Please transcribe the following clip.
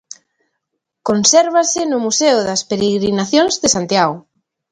Consérvase no Museo das Peregrinacións de Santiago.